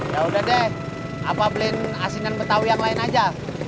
yaudah deh apa beliin asinan betawi yang lain aja